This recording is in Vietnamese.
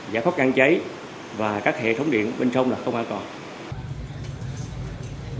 giải phóng ngăn cháy và các hệ thống điện bên trong là không ai còn